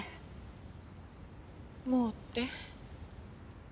もうって？